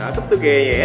wih cakep tuh kayaknya ya